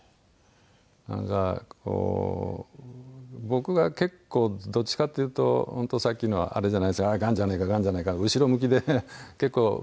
なんかこう僕が結構どっちかっていうと本当さっきのあれじゃないですけどがんじゃないかがんじゃないか後ろ向きでね結構。